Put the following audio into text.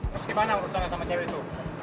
terus gimana urusannya sama cewek itu